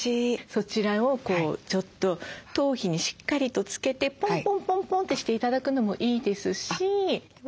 そちらをちょっと頭皮にしっかりとつけてポンポンポンポンってして頂くのもいいですし。